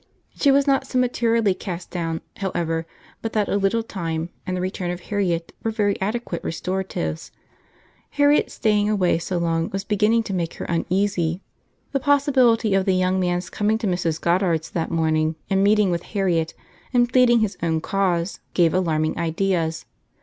She was not so materially cast down, however, but that a little time and the return of Harriet were very adequate restoratives. Harriet's staying away so long was beginning to make her uneasy. The possibility of the young man's coming to Mrs. Goddard's that morning, and meeting with Harriet and pleading his own cause, gave alarming ideas.